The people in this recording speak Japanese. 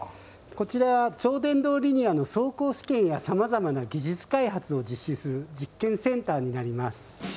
こちらは超電導リニアの走行試験やさまざまな技術開発を実施する実験センターになります。